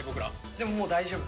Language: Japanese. でももう大丈夫。